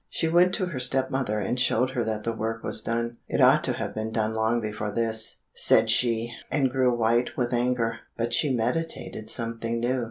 She went to her step mother, and showed her that the work was done. "It ought to have been done long before this," said she, and grew white with anger, but she meditated something new.